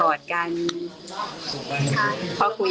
อยากให้สังคมรับรู้ด้วย